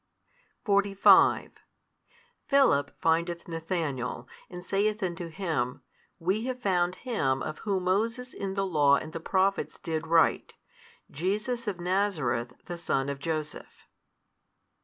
|152 45 Philip findeth Nathanael, and saith unto him, We have found Him, of Whom Moses in the law and the prophets did write, Jesus of Nazareth the Son of Joseph.